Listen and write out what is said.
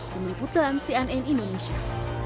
kemuliputan cnn indonesia